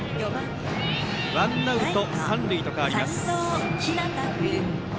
ワンアウト三塁と変わります。